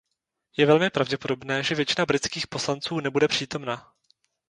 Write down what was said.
Je velmi pravděpodobné, že většina britských poslanců nebude přítomna.